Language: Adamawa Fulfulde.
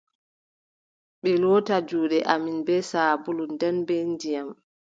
Ɓe loota juuɗe amin bee saabulu, nden be ndiyam!